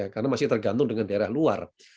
karena masih tergantung dengan daerah luar